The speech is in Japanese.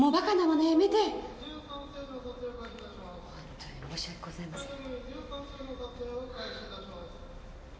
ほんとに申し訳ございません。